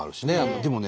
でもね